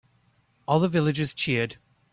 All the villagers cheered.